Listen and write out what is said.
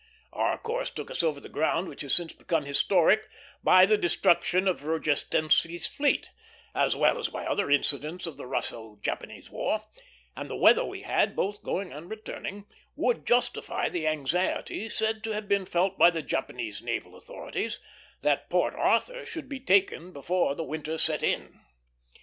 Our course took us over the ground which has since become historic by the destruction of Rodjestvensky's fleet, as well as by other incidents of the Russo Japanese war; and the weather we had, both going and returning, would justify the anxiety said to have been felt by the Japanese naval authorities, that Port Arthur should be taken before the winter set in.